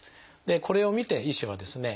これを見て医師はですね